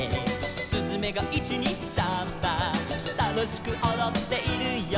「すずめが１・２・サンバ」「楽しくおどっているよ」